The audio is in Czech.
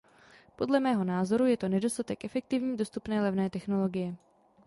Podle mého názoru je to nedostatek efektivní, dostupné, levné technologie.